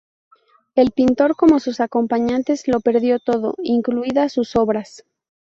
El pintor, como sus acompañantes, lo perdió todo, incluidas sus obras.